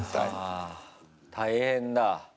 あ、大変だ。